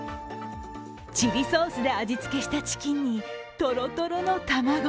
チリソースで味付けしたチキンにとろとろの卵。